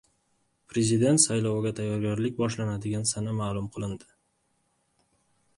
Prezident sayloviga tayyorgarlik boshlanadigan sana ma’lum qilindi